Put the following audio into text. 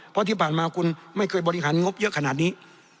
เพราะที่ผ่านมาคุณไม่เคยบริหารงบเยอะขนาดนี้